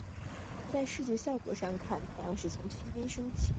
在视觉上的效果是看见太阳从西边升起。